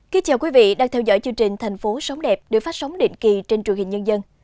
kính chào quý vị đang theo dõi chương trình thành phố sống đẹp được phát sóng định kỳ trên truyền hình nhân dân